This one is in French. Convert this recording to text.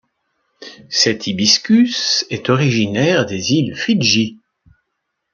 Cet hibiscus est originaire des îles Fidji.